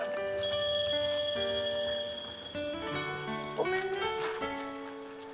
ごめんね。